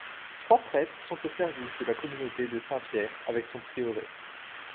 Trois prêtres sont au service de la communauté de Saint-Pierre, avec son prieuré.